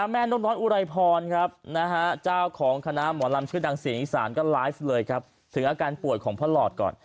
นกน้อยอุไรพรครับเจ้าของคณะหมอลำชื่อดังเสียงอีสานก็ไลฟ์เลยครับถึงอาการป่วยของพ่อหลอดก่อน